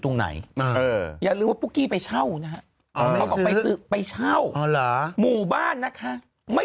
ตรงไหนอย่ารู้ว่าปุ๊กกี้ไปเช่านะไปเช่าหมู่บ้านนะคะไม่